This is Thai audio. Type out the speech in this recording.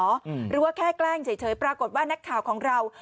หรือว่าแค่แกล้งเฉยปรากฏว่านักข่าวของเรา